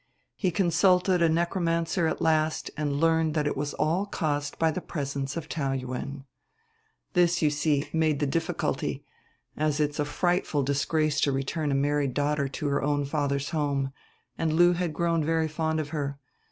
He consulted a necromancer at last and learned that it was all caused by the presence of Taou Yuen. "This, you see, made the difficulty, as it's a frightful disgrace to return a married daughter to her own father's home, and Lú had grown very fond of her.